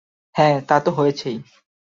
হ্যাঁ, তা তো হয়েছেই।